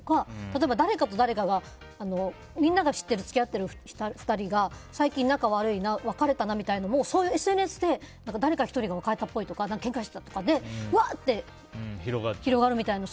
例えば誰かと誰かみんなが知ってる付き合ってる２人が最近、仲悪いな別れたなみたいなのもＳＮＳで誰か１人が別れたっぽいとかけんかしてたとかでわーって広がるみたいな。